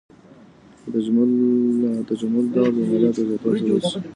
د تجمل دود د مالیاتو د زیاتوالي سبب سو.